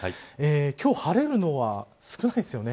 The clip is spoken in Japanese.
今日晴れるのは少ないですよね。